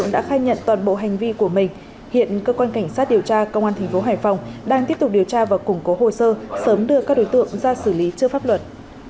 điều tra công an tp hải phòng đang tiếp tục điều tra và củng cố hồ sơ sớm đưa các đối tượng ra xử lý trước pháp luật